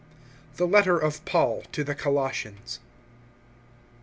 THE LETTER OF PAUL TO THE COLOSSIANS.